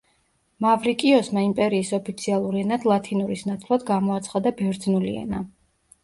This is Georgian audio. მავრიკიოსმა იმპერიის ოფიციალურ ენად ლათინურის ნაცვლად გამოაცხადა ბერძნული ენა.